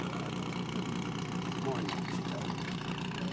うん毎日だよ。え？